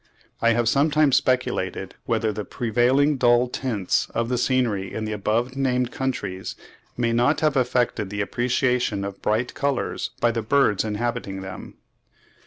I have sometimes speculated whether the prevailing dull tints of the scenery in the above named countries may not have affected the appreciation of bright colours by the birds inhabiting them.)